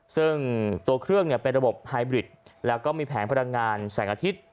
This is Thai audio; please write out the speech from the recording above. ซึ่งตัวเครื่องเป็นระบบไฮบริดแล้วก็มีแผงพลังงานแสงอาทิตย์